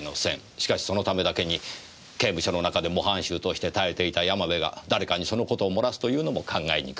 しかしそのためだけに刑務所の中で模範囚として耐えていた山部が誰かにそのことを漏らすというのも考えにくい。